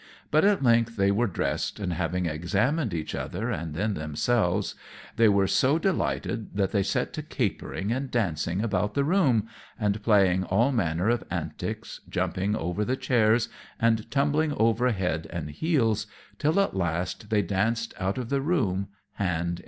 But at length they were dressed; and having examined each other, and then themselves, they were so delighted that they set to capering and dancing about the room, and playing all manner of antics, jumping over the chairs and tumbling over head and heels, till at last they danced out of the room hand in hand.